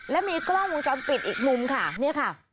แล้วมีกล้องมุมจอมปิดอีกมุมค่ะนี่ค่ะ